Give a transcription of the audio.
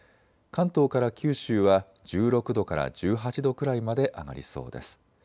関東から九州は１６度から１８度くらいまで上がりそうです。